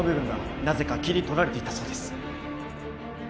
なぜか切り取られていたそうです